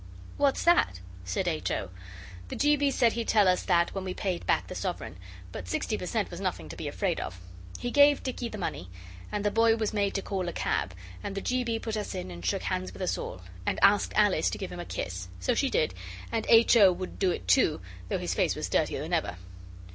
'What's that?' said H. O. The G. B. said he'd tell us that when we paid back the sovereign, but sixty per cent was nothing to be afraid of. He gave Dicky the money. And the boy was made to call a cab, and the G. B. put us in and shook hands with us all, and asked Alice to give him a kiss, so she did, and H. O. would do it too, though his face was dirtier than ever.